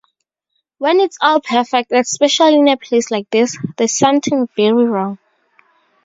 When it's all perfect, especially in a piece like this, there's something very wrong.